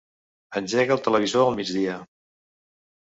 Engega el televisor al migdia.